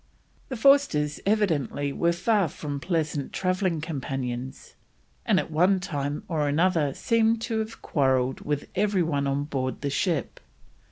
The Forsters evidently were far from pleasant travelling companions, and at one time or another seem to have quarrelled with every one on board the ship.